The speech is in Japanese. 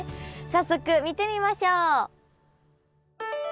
早速見てみましょう。